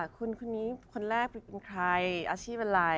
คุณคนนี้คนแรกเป็นใครอาชีพอะไร